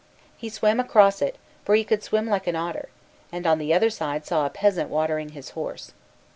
He swam across it, for he could swim like an otter, and on the other side saw a peasant watering his horse.